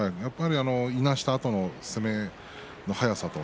いなしたあとの詰めの速さ。